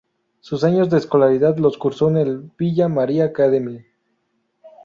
Sus años de escolaridad los cursó en el Villa María Academy.